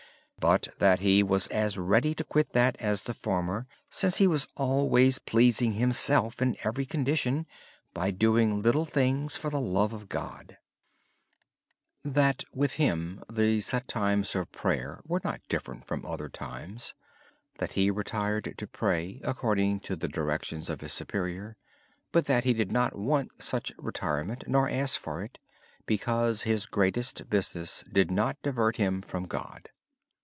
Yet he was as ready to quit that as the former, since he tried to please God by doing little things for the love of Him in any work he did. With him the set times of prayer were not different from other times. He retired to pray according to the directions of his superior, but he did not need such retirement nor ask for it because his greatest business did not divert him from God.